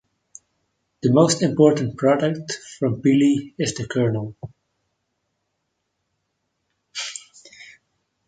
The most important product from pili is the kernel.